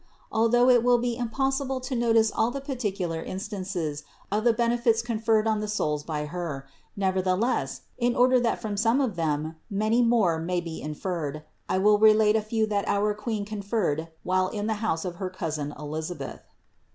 Although it will be impossible to notice all the particular instances of the benefits con ferred on the souls by Her, nevertheless, in order that from some of them, many more may be inferred, I will 207 208 CITY OF GOD relate a few that our Queen conferred while in the house of her cousin Elisabeth.